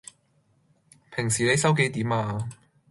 平時你收幾點呀?